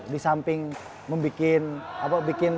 di sini ada temen yang bikin